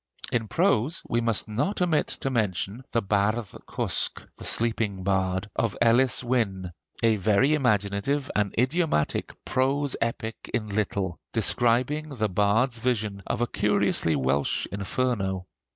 In prose we must not omit to mention the 'Bardd Cwsg' (The Sleeping Bard) of Elis Wynne, a very imaginative and idiomatic prose epic in little, describing the bard's vision of a curiously Welsh Inferno.